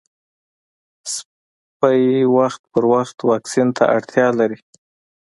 سپي وخت پر وخت واکسین ته اړتیا لري.